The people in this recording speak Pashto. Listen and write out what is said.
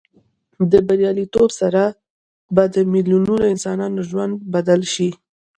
دې بریالیتوب سره به د میلیونونو انسانانو ژوند بدل شي.